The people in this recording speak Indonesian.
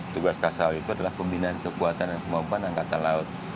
tugas kasal itu adalah pembinaan kekuatan dan kemampuan angkatan laut